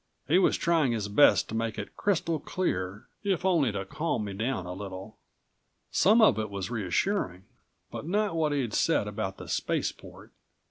He was trying his best to make it crystal clear, if only to calm me down a little. Some of it was reassuring, but not what he'd said about the spaceport.